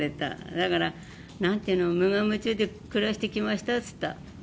だから何て言うの無我夢中で暮らしてきましたって言った。